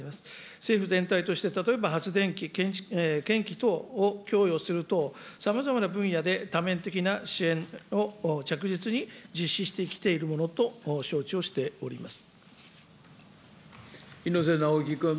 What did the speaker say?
政府全体として例えば発電機、建機等を供与する等、さまざまな分野で多面的な支援を、着実に実施してきているものと承知をしてお猪瀬直樹君。